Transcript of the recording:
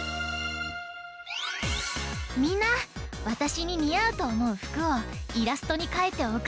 みんなわたしににあうとおもうふくをイラストにかいておくってね！